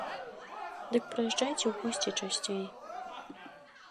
Дык прыязджайце ў госці часцей!